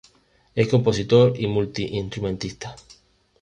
Es compositor y multiinstrumentista.